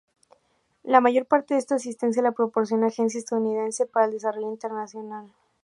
La mayor parte de esta asistencia la proporciona Agencia Estadounidense para el Desarrollo Internacional.